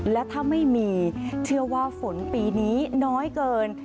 และถ้าไม่มีเชื่อว่าฝนปีนี้น้อยเกิน